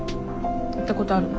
行ったことあるの？